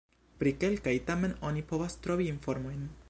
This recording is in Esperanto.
Pri kelkaj tamen oni povas trovi informojn.